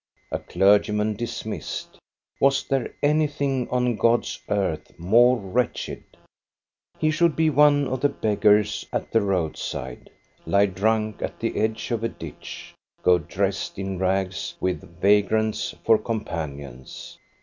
A clergyman, dismissed ! Was there anything on God's earth more wretched ? He should be one of the beggars at the roadside, lie drunk at the edge of a ditch, go dressed in rags, with vagrants for companions.